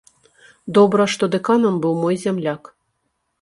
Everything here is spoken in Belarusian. Добра, што дэканам быў мой зямляк.